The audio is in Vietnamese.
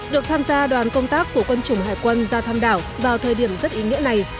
được tham gia đoàn công tác của quân chủng hải quân ra thăm đảo vào thời điểm rất ý nghĩa này